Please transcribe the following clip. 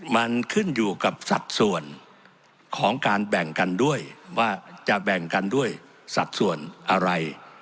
มันขึ้นอยู่กับสัดส่วนของการแบ่งกันด้วยว่าจะแบ่งกันด้วยสัดส่วนอะไร